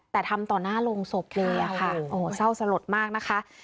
แต่ทำต่อหน้าโรงศพเลยค่ะโอ้เศร้าสลดมากนะคะ